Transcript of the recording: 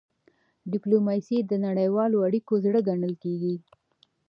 ډيپلوماسي د نړیوالو اړیکو زړه ګڼل کېږي.